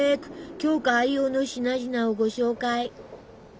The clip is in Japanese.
鏡花愛用の品々をご紹介！